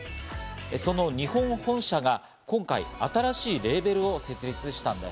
その日本本社が今回、新しいレーベルを設立したんです。